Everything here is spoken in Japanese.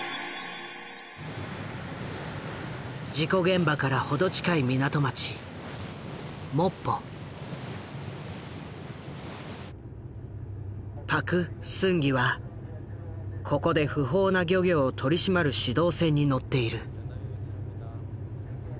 事故現場から程近い港町パク・スンギはここで不法な漁業を取り締まる指導船に乗っている。